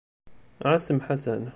Ɛassem Ḥasan.